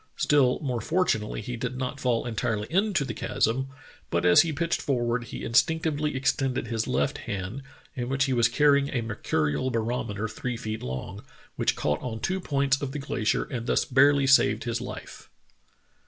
Still more fortunately he did not fall entirely into the chasm, but as he pitched forward he instinc tively extended his left hand, in which he was carrying a mercurial barometer three feet long, which caught on two points of the glacier and thus barely saved his life.